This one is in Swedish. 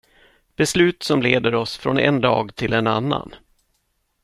Beslut som leder oss från en dag till en annan.